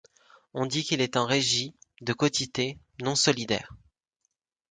On dit qu'il est en régie, de quotité, non solidaire.